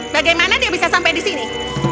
bagaimana dia bisa sampai di sini